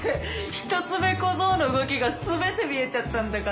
一つ目小僧の動きが全て見えちゃったんだからな！